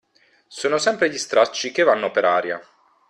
Sono sempre gli stracci che vanno per aria.